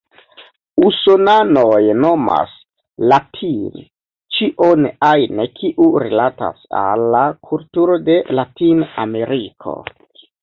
Usonanoj nomas "latin" ĉion ajn, kiu rilatas al la kulturo de Latin-Ameriko.